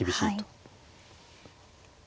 はい。